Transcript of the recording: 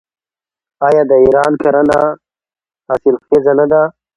آیا د ایران کرنه حاصلخیزه نه ده؟